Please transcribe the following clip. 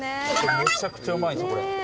めちゃくちゃうまいんです。